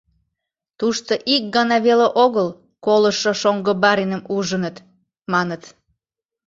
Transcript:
Тушто ик гана веле огыл колышо шоҥго бариным ужыныт, маныт.